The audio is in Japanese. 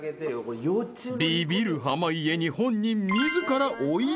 ［ビビる濱家に本人自ら］